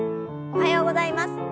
おはようございます。